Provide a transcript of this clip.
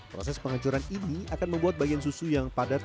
proses pengencuran ini akan membuat bagian susu yang padat